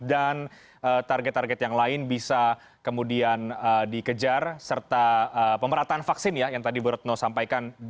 dan target target yang lain bisa kemudian dikejar serta pemerataan vaksin ya yang tadi bu retno sampaikan